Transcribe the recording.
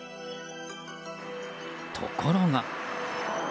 ところが。